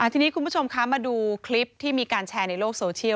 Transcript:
ทีนี้คุณผู้ชมคะมาดูคลิปที่มีการแชร์ในโลกโซเชียล